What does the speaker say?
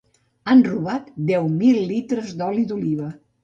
Han robat deu mil litres d'oli d'oliva.